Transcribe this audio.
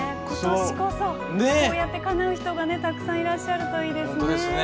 ことしこそ、かなう人がたくさんいらっしゃるといいですね。